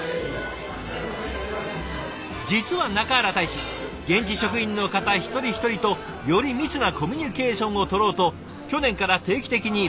実は中原大使現地職員の方一人一人とより密なコミュニケーションをとろうと去年から定期的にランチ会を開催中。